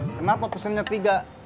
kenapa pesennya tiga